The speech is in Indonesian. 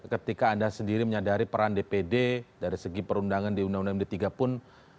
ketika anda sendiri menyadari peran dpd dari segi perundangan di undang undang md tiga pun